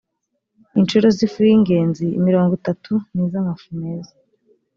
incuro z’ifu y’ingezi mirongo itatu n’iz’amafu meza